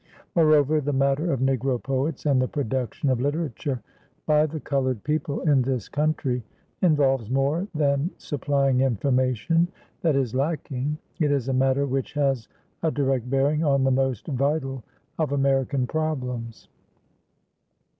Moreover, the matter of Negro poets and the production of literature by the colored people in this country involves more than supplying information that is lacking. It is a matter which has a direct bearing on the most vital of American problems.